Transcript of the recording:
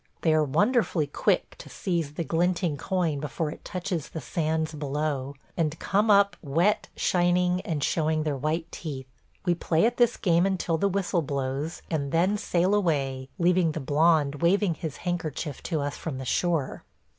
They are wonderfully quick to seize the glinting coin before it touches the sands below, and come up wet, shining, and showing their white teeth. We play at this game until the whistle blows, and then sail away, leaving the blond waving his handkerchief to us from the shore.